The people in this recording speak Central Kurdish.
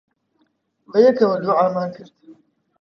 بەیەکەوە دوعامان کرد.